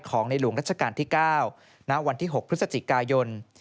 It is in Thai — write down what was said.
ในหลวงรัชกาลที่๙ณวันที่๖พฤศจิกายน